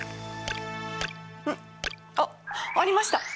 うんあっありました。